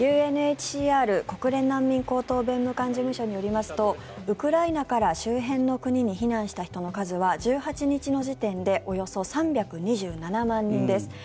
ＵＮＨＣＲ・国連難民高等弁務官事務所によりますとウクライナから周辺の国に避難した人の数は１８日時点でおよそ３２７万人です。